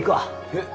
えっ？